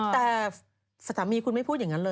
แต่สามีคุณไม่พูดอย่างนั้นเลย